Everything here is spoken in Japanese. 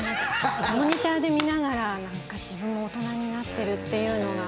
モニターで見ながらなんか自分も大人になっているというのが。